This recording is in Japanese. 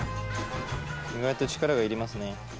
意外と力がいりますね。